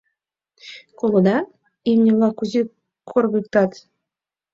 Колыда, имне-влак кузе коргыктат?